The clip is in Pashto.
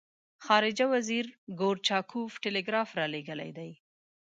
خارجه وزیر ګورچاکوف ټلګراف را لېږلی دی.